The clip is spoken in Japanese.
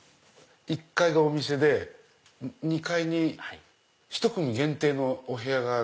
１階がお店で２階に１組限定のお部屋がある。